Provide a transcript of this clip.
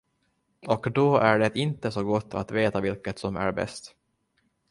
Och då är det inte så gott att veta vilket som är bäst.